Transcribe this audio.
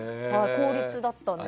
公立だったので。